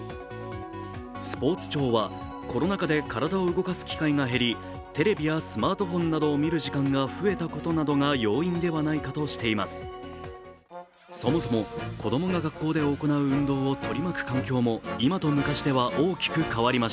スポーツ庁はコロナ禍で体を動かす機会が減り、テレビやスマートフォンなどを見る時間が増えたことなどが要因ではないかとしています。